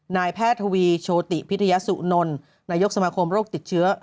นายแพทย์ทวีโชติพิทยาสุนลนายกสมาคมโรคติดเชื้อ